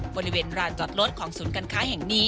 บริเวณร้านจอดรถของศูนย์การค้าแห่งนี้